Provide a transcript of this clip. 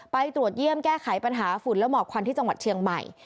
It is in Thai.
ไปตรวจเยี่ยมแก้ไขปัญหาฝุ่นและหมอกควันที่จังหวัดเชียงใหม่